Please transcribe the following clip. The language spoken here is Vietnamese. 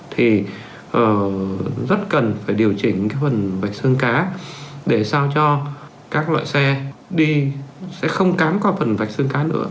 thì rất cần phải điều chỉnh phần vạch xương cá để sao cho các loại xe đi sẽ không cám qua phần vạch xương cá nữa